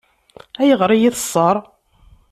Ayɣer i yi-teṣṣeṛ?